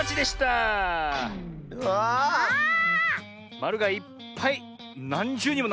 まるがいっぱいなんじゅうにもなってるねえ。